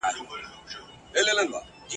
له فرعون سره وزیر نوم یې هامان وو !.